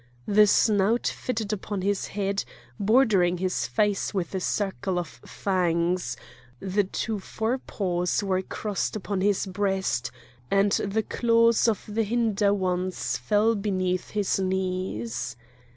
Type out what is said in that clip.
The snout fitted upon his head, bordering his face with a circle of fangs; the two fore paws were crossed upon his breast, and the claws of the hinder ones fell beneath his knees.